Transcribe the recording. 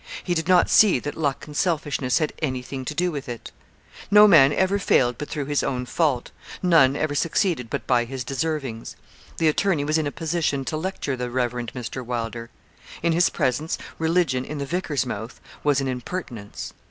He did not see that luck and selfishness had anything to do with it. No man ever failed but through his own fault none ever succeeded but by his deservings. The attorney was in a position to lecture the Rev. Mr. Wylder. In his presence, religion, in the vicar's mouth, was an impertinence.